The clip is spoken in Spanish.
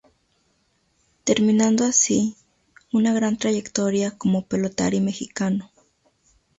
Terminando así, una gran trayectoria como pelotari mexicano.